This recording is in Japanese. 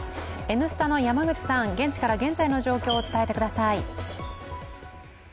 「Ｎスタ」の山口さん、現地から現在の状況を伝えてください。